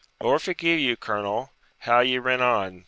'Lord forgie you, colonel, how ye rin on!